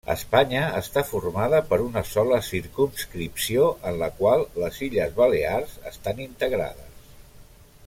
Espanya està formada per una sola circumscripció, en la qual les Illes Balears estan integrades.